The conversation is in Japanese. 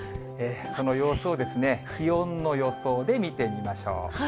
その様子を気温の予想で見てみましょう。